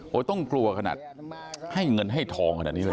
ต้องกลัวขนาดให้เงินให้ทองขนาดนี้เลย